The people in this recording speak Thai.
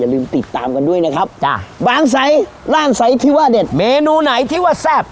ร่างใสที่ว่าเด็ดเมนูไหนที่ว่าแซ่บ